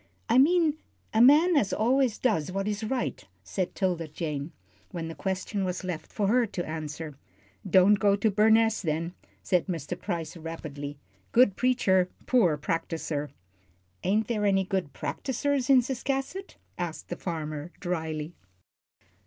"I mean a man as always does what is right," said 'Tilda Jane, when the question was left for her to answer. "Don't go to Burness, then," said Mr. Price, rapidly. "Good preacher poor practiser." "Ain't there any good practisers in Ciscasset?" asked the farmer, dryly.